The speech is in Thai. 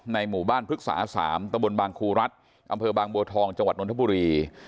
หมู่บ้านพฤกษา๓ตะบนบางครูรัฐอำเภอบางบัวทองจังหวัดนทบุรี